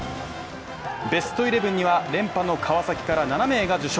ベストイレブンには連覇の川崎から７名が受賞